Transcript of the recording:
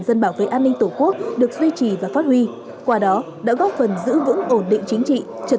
dân bảo vệ an ninh tổ quốc được duy trì và phát huy qua đó đã góp phần giữ vững ổn định chính trị trật